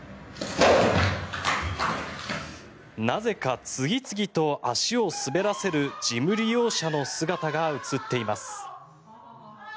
なぜか、次々と足を滑らせるジム利用者の姿が映っています。